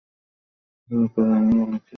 তারপর আমরা উনাকে আমার কক্ষে নিয়ে যাব।